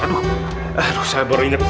aduh saya baru inget